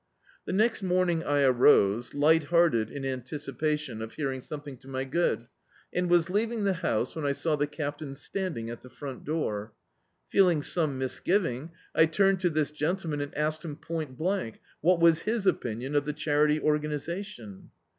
The next morning I arose, lighthearted in antici pation of hearing something to my good, and was leaving the house when I saw the Captain standing at the front door. Feeling some misgiving, I turned to this gentleman and asked him point blank — what was his opinion of the Charity Organisation.